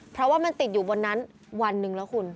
เพราะว่ามันติดอยู่บนนั้นวันหนึ่งแล้วคุณ